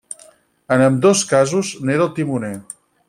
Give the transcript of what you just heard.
En ambdós casos n'era el timoner.